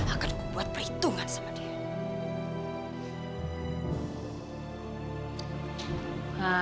akan kubuat perhitungan sama dia